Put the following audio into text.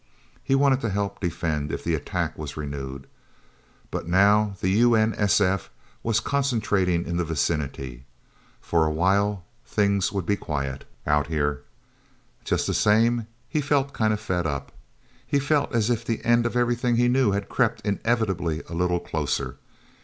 He wanted to help defend, if the attack was renewed. But now the U.N.S.F. was concentrating in the vicinity. For a while, things would be quiet, Out Here. Just the same, he felt kind of fed up. He felt as if the end of everything he knew had crept inevitably a little closer.